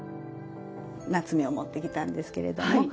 棗を持ってきたんですけれども。